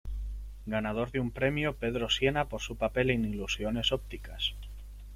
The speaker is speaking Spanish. Ganador de un Premio Pedro Sienna por su papel en "Ilusiones ópticas".